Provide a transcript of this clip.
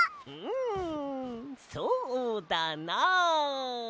んそうだな。